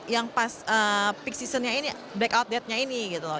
yang pas peak seasonnya ini black out date nya ini gitu loh